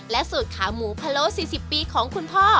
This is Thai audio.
สูตรขาหมูพะโล๔๐ปีของคุณพ่อ